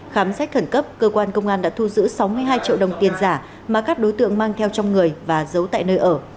khám xét khẩn cấp cơ quan công an đã thu giữ sáu mươi hai triệu đồng tiền giả mà các đối tượng mang theo trong người và giấu tại nơi ở